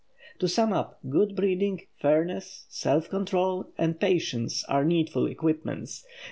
To sum up,—good breeding, fairness, self control and patience are needful equipments.